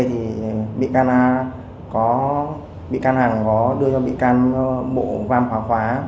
thì bị can hằng có đưa cho bị can bộ vang khóa khóa